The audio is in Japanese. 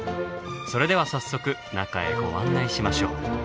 それでは早速中へご案内しましょう。